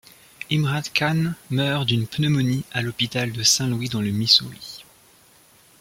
Imrat Khan meurt d'une pneumonie à l'hôpital de Saint-Louis dans le Missouri.